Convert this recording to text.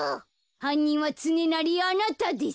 はんにんはつねなりあなたです。